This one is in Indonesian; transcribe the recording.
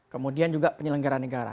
kemudian juga penyelenggara negara